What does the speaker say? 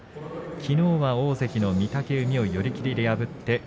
きのう大関の御嶽海を寄り切りで破っています。